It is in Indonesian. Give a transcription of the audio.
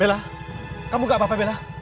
bella kamu gak apa apa bella